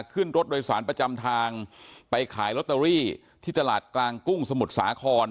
ขึ้นรถโดยสารประจำทางไปขายลอตเตอรี่ที่ตลาดกลางกุ้งสมุทรสาคร